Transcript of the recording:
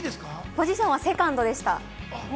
ポジションはセカンドでした。